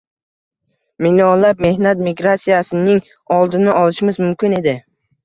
Millionlab mehnat migratsiyasining oldini olishimiz mumkin edi